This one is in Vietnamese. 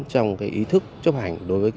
trong ý thức chấp hành đối với